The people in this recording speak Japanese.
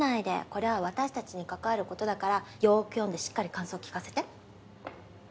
これは私たちに関わることだからよく読んでしっかり感想聞かせて。